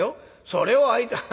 それをあいつら」。